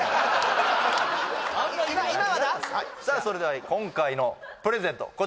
それでは今回のプレゼント